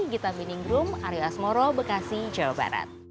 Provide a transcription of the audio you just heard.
gita bininggrum arya asmoro bekasi jawa barat